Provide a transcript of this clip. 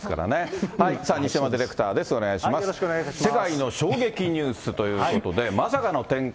世界の衝撃ニュースということで、まさかの展開